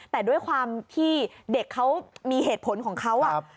แต่ด้วยความที่เด็กเขามีเหตุผลของเขา